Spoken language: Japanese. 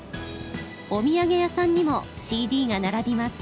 お土産屋さんにもＣＤが並びます。